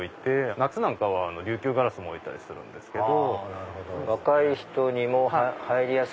夏なんかは琉球ガラスも置いたりするんですけど。